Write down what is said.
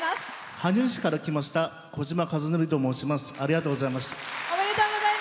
羽生市から来ましたこじまと申します。